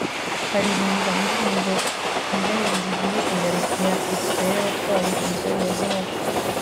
Haririmbwa indirimbo yubahiriza igihugu ya Erythrea yatwaye Umudali wa Zahabu